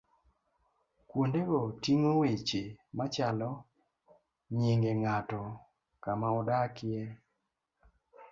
Kuondego ting'o weche machalo nyinge ng'ato, kama odakie.